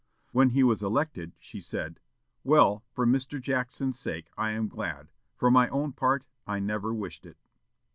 When he was elected, she said, "Well, for Mr. Jackson's sake, I am glad; for my own part, I never wished it."